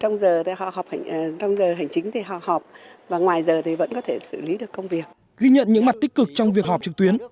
ghi nhận những mặt tích cực trong việc họp trực tuyến